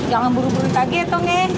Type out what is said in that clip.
jangan buru buru kaget tong